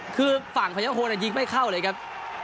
คือฝั่งพยโฮนยิงไม่เข้าเลยครับ